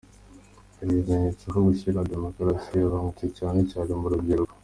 Hari ibimenyetso ko gushyigikira demokarasi byagabanutse cyane cyane mu rubyiruko.